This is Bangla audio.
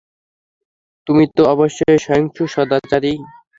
তুমি তো অবশ্যই সহিষ্ণু, সদাচারী।